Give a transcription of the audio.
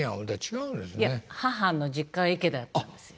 いや母の実家が池田やったんですよ。